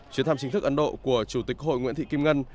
chuyến thăm chính thức ấn độ của chủ tịch hội nguyễn thị kim ngân